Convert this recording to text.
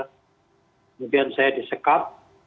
kemudian saya disekap